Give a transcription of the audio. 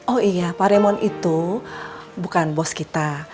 oh iya pak raymond itu bukan bos kita